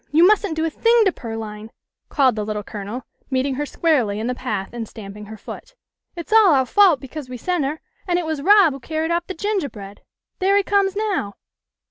You mustn't do a thing to Pearline," called the Little Colonel, meeting her squarely in the path and stamp ing her foot. " It's all ou' fault, because we sent her, and it was Rob who carried off the gingahbread. There he comes now."